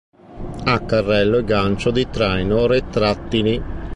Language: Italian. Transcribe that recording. Ha carrello e gancio di traino retrattili.